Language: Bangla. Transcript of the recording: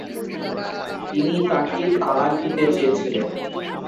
তিনি তাকে তালাক দিতে চেয়েছিলেন।